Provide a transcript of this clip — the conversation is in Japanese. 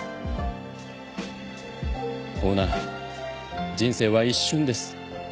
オーナー人生は一瞬です。